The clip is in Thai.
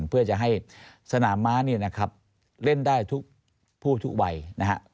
เพื่อจะให้สนามม้าเนี่ยนะครับเล่นได้ทุกผู้ทุกวัยนะครับ